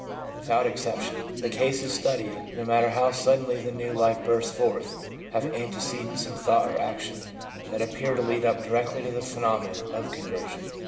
Without excep tion, the cases studied, no matter how suddenly the new life bursts forth, have antecedents in thought or action that appear to lead up directly to the phenomenon of conversion.